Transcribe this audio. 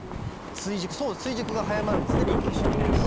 追熟、そう、追熟が早まるんですね、リンゴ一緒に入れると。